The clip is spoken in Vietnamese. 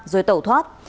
rồi tẩu thoát